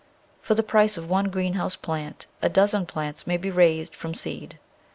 For the price of one greenhouse plant a dozen plants may be raised from seed.